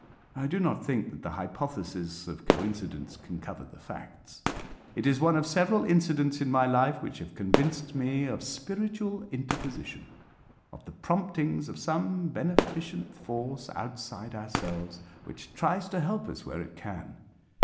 I do not think that the hypothesis of coincidence can cover the facts. It is one of several incidents in my life which have convinced me of spiritual interposition—of the promptings of some beneficent force outside ourselves, which tries to help us where it can.